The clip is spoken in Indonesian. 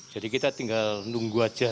jadi kita tinggal nunggu aja